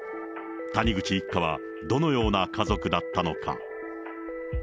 谷口一家はどのような家族だったのか。